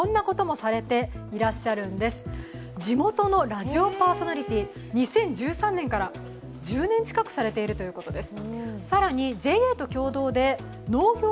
ラジオパーソナリティーは２０１３年から１０年近くやられているということです。